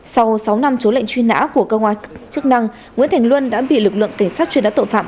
sau sáu năm trốn lệnh truy nã của cơ quan chức năng nguyễn thành luân đã bị lực lượng cảnh sát truy nã tội phạm